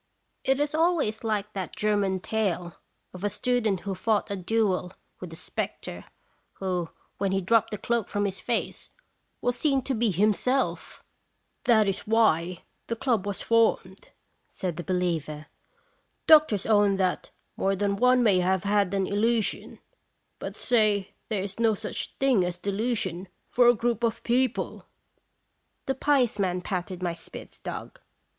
"It is always like that German tale of a student who fought a duel with a spectre, who, when he dropped the cloak from his face, was seen to be himself!" ilje JDeair flDeab?" 291 "That is why the club was formed," said the believer; "doctors own that more than one may have an illusion, but say there is no such thing as delusion for a group of people." The pious man patted my Spitz dog.